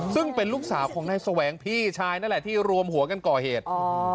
ซึ่งเป็นลูกสาวของนายแสวงพี่ชายนั่นแหละที่รวมหัวกันก่อเหตุ